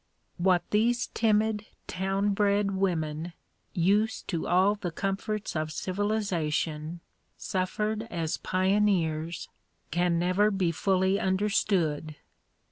What these timid town bred women, used to all the comforts of civilization, suffered as pioneers, can never be fully understood.